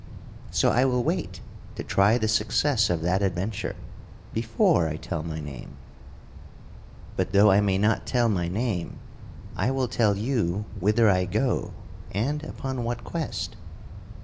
So I will wait to try the success of that adventure before I tell my name. But though I may not tell my name I will tell you whither I go and upon what quest.